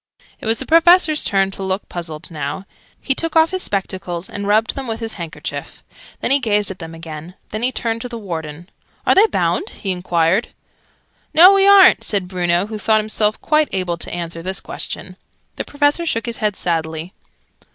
It was the Professor's turn to look puzzled now. He took off his spectacles, and rubbed them with his handkerchief. Then he gazed at them again. Then he turned to the Warden. "Are they bound?" he enquired. "No, we aren't," said Bruno, who thought himself quite able to answer this question. The Professor shook his head sadly.